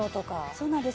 そうなんです。